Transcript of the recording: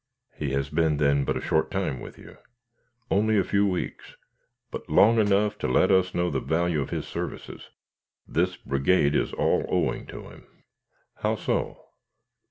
"He has been then but a short time with you." "Only a few weeks but long enough to let us know the value of his services. This brigade is all owing to him." "How so?"